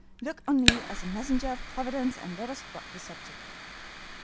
Look on me as a messenger of providence, and let us drop the subject."